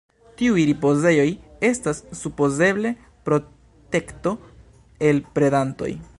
Tiuj ripozejoj estas supozeble protekto el predantoj.